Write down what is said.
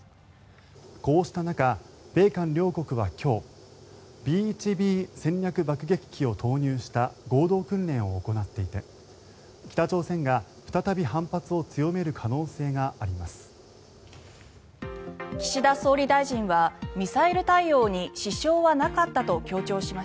こうした中、米韓両国は今日Ｂ１Ｂ戦略爆撃機を投入した合同軍連を行っていて北朝鮮が再び反発を強める可能性があります。